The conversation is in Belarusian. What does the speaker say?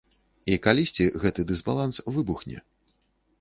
І калісьці гэты дысбаланс выбухне.